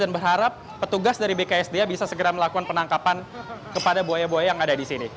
dan berharap petugas dari bksda bisa segera melakukan penangkapan kepada buaya buaya yang ada di sini